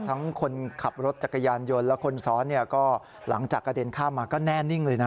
คนขับรถจักรยานยนต์และคนซ้อนเนี่ยก็หลังจากกระเด็นข้ามมาก็แน่นิ่งเลยนะ